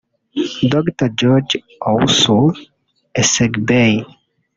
Dr George Owusu Essegbey